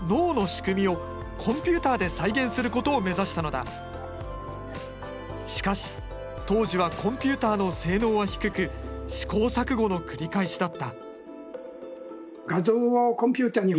まずその足掛かりとしてしかし当時はコンピューターの性能は低く試行錯誤の繰り返しだった。